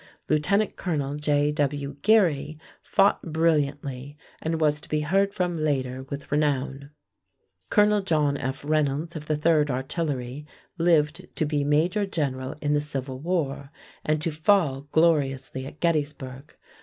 Lieutenant Colonel J.W. Geary fought brilliantly and was to be heard from later with renown. Colonel John F. Reynolds of the 3rd Artillery lived to be major general in the Civil War, and to fall gloriously at Gettysburg.